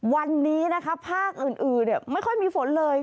วันนี้นะคะภาคอื่นไม่ค่อยมีฝนเลย